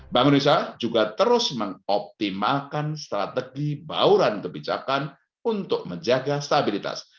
bank indonesia juga terus mengoptimalkan strategi bauran kebijakan untuk menjaga stabilitas